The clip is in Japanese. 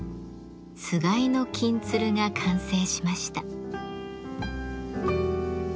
つがいの「金鶴」が完成しました。